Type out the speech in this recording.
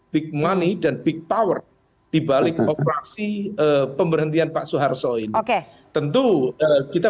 big money dan big power dibalik operasi pemberhentian pak soeharto ini tentu kita